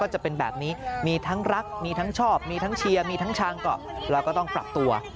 จะมีทั้งช่างเกาะแล้วก็ต้องปรับตัว